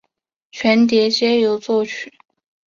全碟皆由作曲。